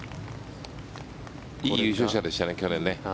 いい優勝者でしたね、去年ね。